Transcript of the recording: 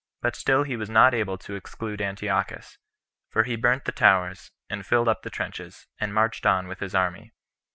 But still he was not able to exclude Antiochus, for he burnt the towers, and filled up the trenches, and marched on with his army.